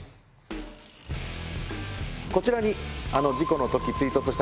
こちらに。